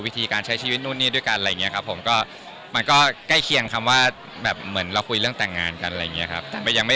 ทำให้เราแบบมั่นใจว่ามั่นใจว่ะ